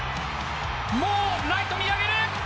もうライト見上げる。